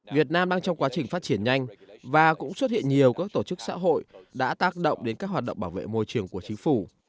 việt nam đang trong quá trình phát triển nhanh và cũng xuất hiện nhiều các tổ chức xã hội đã tác động đến các hoạt động bảo vệ môi trường của chính phủ